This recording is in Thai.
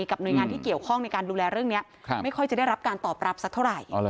หน่วยงานที่เกี่ยวข้องในการดูแลเรื่องนี้ไม่ค่อยจะได้รับการตอบรับสักเท่าไหร่